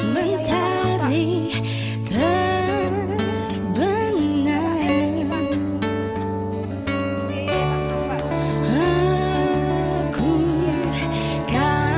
pak ini pak